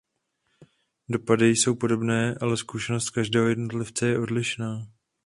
Dopady jsou podobné, ale zkušenost každého jednotlivce je odlišná.